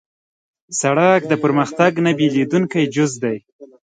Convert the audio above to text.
سړک د پرمختګ نه بېلېدونکی جز دی.